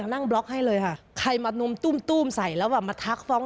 นั่งบล็อกให้เลยค่ะใครมานมตุ้มใส่แล้วแบบมาทักฟ้อง